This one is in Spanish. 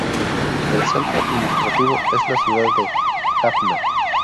El centro administrativo es la ciudad de Jaffna.